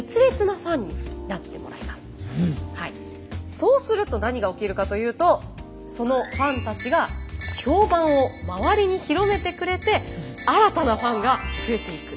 そうすると何が起きるかというとそのファンたちが評判を周りに広めてくれて新たなファンが増えていく。